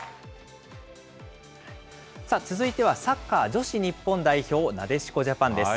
続いてはサッカー女子日本代表、なでしこジャパンです。